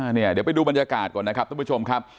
เดี๋ยวไปดูบรรยากาศก่อนนะครับทุกผู้ชมครับ